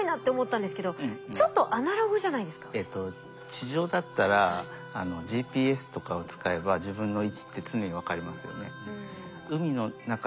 地上だったらＧＰＳとかを使えば自分の位置って常に分かりますよね。